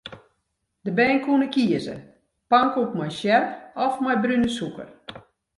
De bern koene kieze: pankoek mei sjerp of mei brune sûker.